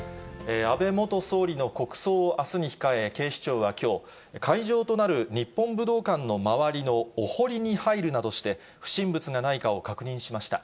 安倍元総理の国葬をあすに控え、警視庁はきょう、会場となる日本武道館の周りのお堀に入るなどして、不審物がないかを確認しました。